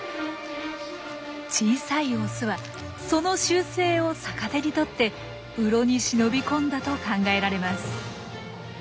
小さいオスはその習性を逆手にとって洞に忍び込んだと考えられます。